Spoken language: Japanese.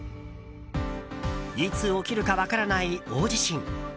いつ起きるか分からない大地震。